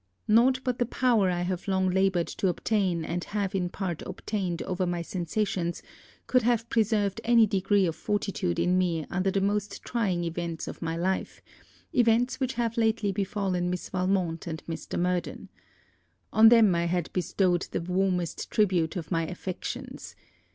Nought but the power I have long laboured to obtain and have in part obtained over my sensations could have preserved any degree of fortitude in me under the most trying events of my life, events which have lately befallen Miss Valmont and Mr. Murden. On them I had bestowed the warmest tribute of my affections.